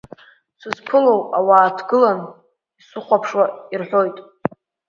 Сызԥылоу ауаа ааҭгылан исыхәаԥшуа ирҳәоит…